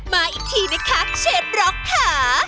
มาอีกทีนะคะเชฟร็อกค่ะ